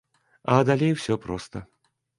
А далей усё проста.